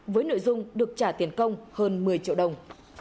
với nội dung được trả tiền công hơn một mươi triệu đồng